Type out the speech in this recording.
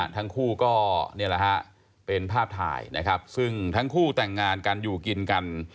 ทั้งคู่เป็นภาพถ่ายซึ่งทั้งคู่แต่งงานกันอยู่กินกัน